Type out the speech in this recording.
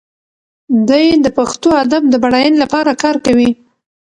دی د پښتو ادب د بډاینې لپاره کار کوي.